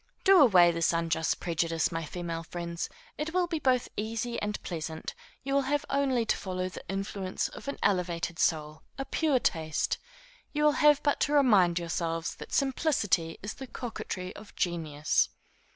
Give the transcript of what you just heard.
Do away this unjust prejudice, my female friends: it will be both easy and pleasant; you will have only to follow the influence of an elevated soul, a pure taste; you will have but to remind yourselves that simplicity is the coquetry of genius.